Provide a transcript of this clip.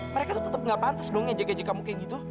mereka tuh tetep gak pantas dong ngajak ngajak kamu kayak gitu